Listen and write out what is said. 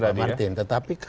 pak martin tadi ya